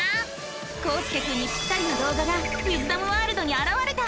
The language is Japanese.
こうすけくんにぴったりの動画がウィズダムワールドにあらわれた！